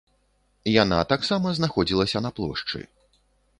Яна таксама знаходзілася на плошчы.